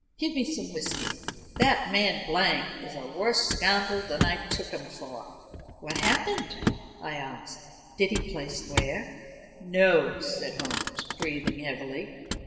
"Give me some whiskey. That man Blank is a worse scoundrel than I took him for." "What's happened?" I asked. "Didn't he play square?" "No," said Holmes, breathing heavily.